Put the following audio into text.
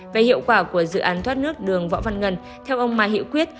về hiệu quả của dự án thoát nước đường võ văn ngân theo ông mai hữu quyết